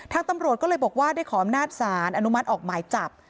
ตำรวจก็เลยบอกว่าได้ขออำนาจสารอนุมัติออกหมายจับ